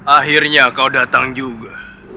akhirnya kau datang juga